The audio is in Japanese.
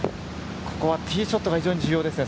ここはティーショットが非常に重要ですね。